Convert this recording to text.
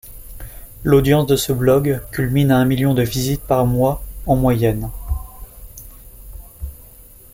L'audience de ce blog culmine a un million de visites par mois en moyenne.